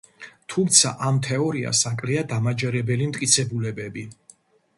თუმცა, ამ თეორიას აკლია დამაჯერებელი მტკიცებულებები.